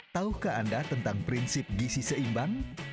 taukah anda tentang prinsip gisi seimbang